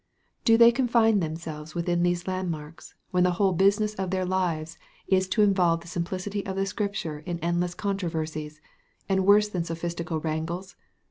Do they confine themselves within these landmarks, when the whole business of their lives is to involve the simplicity of the Scripture in endless controversies, and worse than sophistical wrangles?